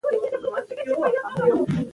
مس د افغانستان د بڼوالۍ برخه ده.